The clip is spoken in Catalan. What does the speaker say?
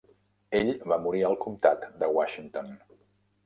Ell va morir al comtat de Washington.